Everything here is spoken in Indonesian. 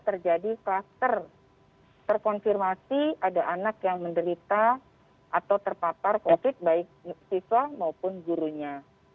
terjadi kluster terkonfirmasi ada anak yang menderita atau terpapar covid baik siswa maupun gurunya